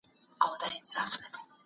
د توحيد پيژندنه د هر مسلمان ارمان دی.